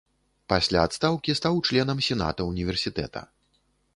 Пасля адстаўкі стаў членам сената ўніверсітэта.